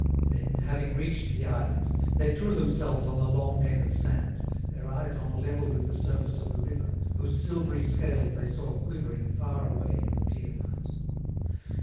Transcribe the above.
Then, having reached the island, they threw themselves on the long neck of sand, their eyes on a level with the surface of the river whose silvery scales they saw quivering far away in the clear night.